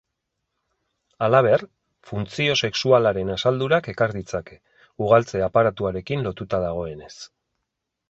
Halaber, funtzio sexualaren asaldurak ekar ditzake, ugaltze-aparatuarekin lotuta dagoenez.